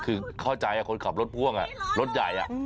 คือเข้าใจคนขับรถพ่วงรถใหญ่